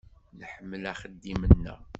Nḥemmel axeddim-nneɣ.